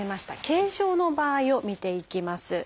軽症の場合を見ていきます。